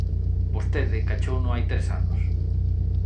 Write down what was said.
Vostede cachouno hai tres anos…